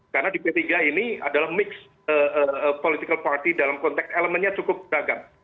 karena di p tiga ini adalah mix political party dalam konteks elemennya cukup beragam